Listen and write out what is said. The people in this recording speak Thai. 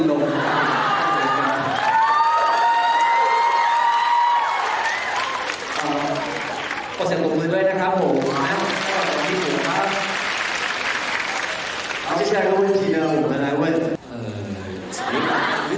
อ๋อใช่